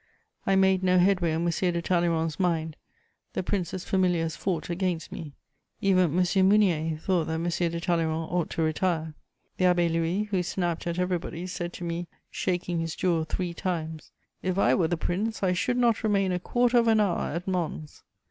I made no headway on M. de Talleyrand's mind, the prince's familiars fought against me; even M. Mounier thought that M. de Talleyrand ought to retire. The Abbé Louis, who snapped at everybody, said to me, shaking his jaw three times: "If I were the prince, I should not remain a quarter of an hour at Mons."